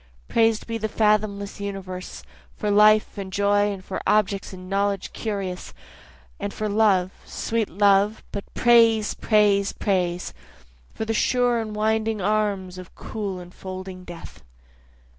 Prais'd be the fathomless universe, For life and joy, and for objects and knowledge curious, And for love, sweet love but praise! praise! praise! For the sure enwinding arms of cool enfolding death.